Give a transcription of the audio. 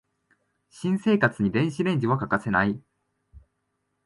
新生活に電子レンジは欠かせない